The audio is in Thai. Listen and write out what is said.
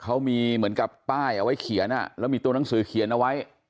เขามีเหมือนกับป้ายเอาไว้เขียนแล้วมีตัวหนังสือเขียนเอาไว้